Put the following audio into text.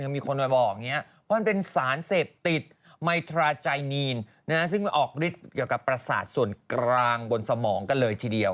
มีคนมาบอกอย่างนี้ว่ามันเป็นสารเสพติดไมทราไจนีนซึ่งออกฤทธิ์เกี่ยวกับประสาทส่วนกลางบนสมองกันเลยทีเดียว